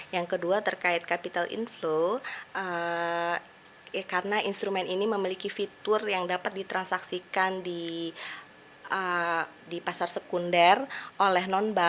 yang kedua terkait capital inflow karena instrumen ini memiliki fitur yang dapat ditransaksikan di pasar sekunder oleh non bank